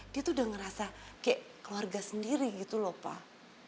dia tuh udah ngerasa kayak keluarga sendiri gitu loh pak